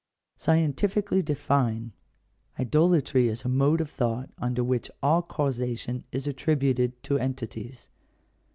Scientifically defined, idolatry is a mode of thought under which all causation is attributed to entities.